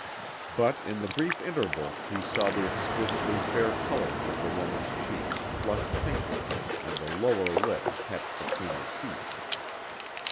But in the brief interval he saw the exquisitely fair coloring of the woman's cheeks flush pinker, and the lower lip catch between her teeth.